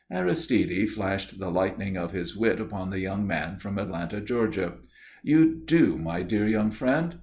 Aristide flashed the lightning of his wit upon the young man from Atlanta, Georgia. "You do, my dear young friend.